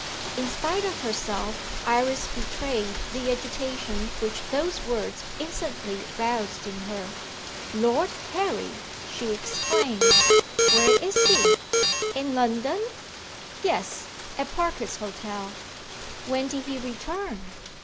In spite of herself, Iris betrayed the agitation which those words instantly roused in her. "Lord Harry!" she exclaimed. "Where is he? In London?" "Yes at Parker's Hotel." "When did he return?"